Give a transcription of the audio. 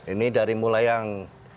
ini dari mulai yang